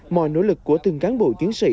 mọi nỗ lực của từng cán bộ chiến sĩ